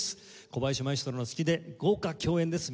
小林マエストロの指揮で豪華共演です。